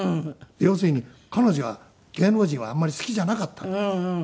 要するに彼女は芸能人はあんまり好きじゃなかったんだよね。